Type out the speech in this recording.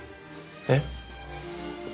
えっ？